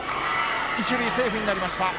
１塁、セーフになりました。